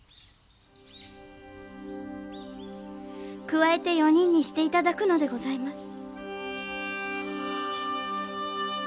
加えて４人にして頂くのでございます。